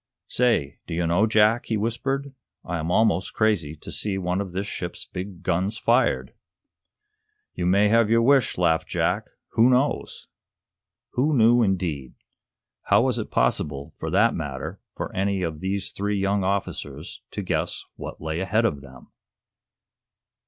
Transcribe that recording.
Say, do you know, Jack," he whispered, "I am almost crazy to see one of this ship's big guns fired!" "You may have your wish," laughed Jack. "Who knows?" Who knew, indeed? How was it possible, for that matter, for any of these three young officers to guess what lay ahead of them?